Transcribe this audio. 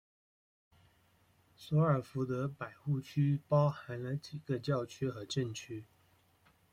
索尔福德百户区包含了几个教区和镇区。